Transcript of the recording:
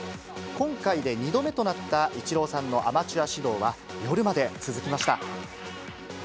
今回で２度目となったイチローさんのアマチュア指導は、夜まで続きました。